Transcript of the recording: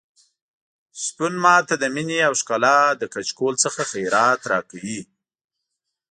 شپون ماته د مينې او ښکلا له کچکول څخه خیرات راکوي.